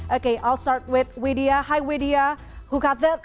oke saya mulai dengan widya hai widya apa kabar